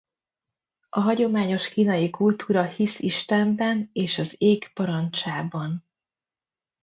A hagyományos kínai kultúra hisz Istenben és az ég parancsában.